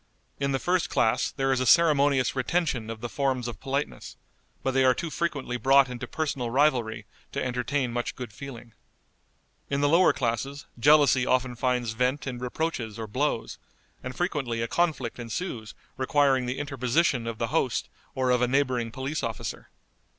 In the first class there is a ceremonious retention of the forms of politeness, but they are too frequently brought into personal rivalry to entertain much good feeling. In the lower classes jealousy often finds vent in reproaches or blows, and frequently a conflict ensues requiring the interposition of the host or of a neighboring police officer.